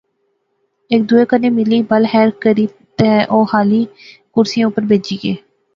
ہیک دوئے کنے ملی، بل خیر کری تے او خالی کرسئِں اوپر بیجی گئے